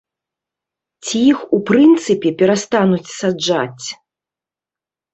Ці іх у прынцыпе перастануць саджаць?